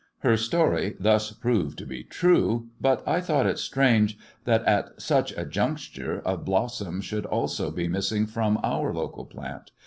Her story thus proved to be true, but I thought it I strange that, at such a juncture, a blossom should also be I w missing from our local plant.